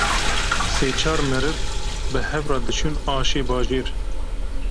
sê-çar meriv bi hevra diçûn aşê bajêr